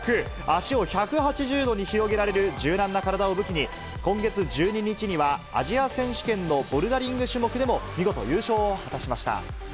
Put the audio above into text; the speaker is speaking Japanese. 足を１８０度に広げられる柔軟な体を武器に、今月１２日には、アジア選手権のボルダリング種目でも見事、優勝を果たしました。